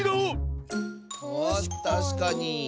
たしかに。